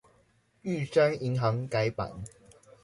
玉山銀行改版